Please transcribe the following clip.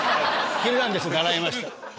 『ヒルナンデス！』で習いました。